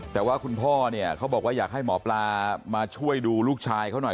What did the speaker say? แต่ว่าคุณพ่อเนี่ยเขาบอกว่าอยากให้หมอปลามาช่วยดูลูกชายเขาหน่อย